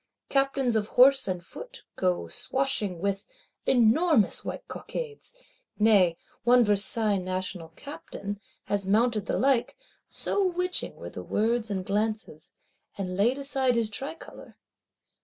Captains of horse and foot go swashing with "enormous white cockades;" nay one Versailles National Captain had mounted the like, so witching were the words and glances; and laid aside his tricolor!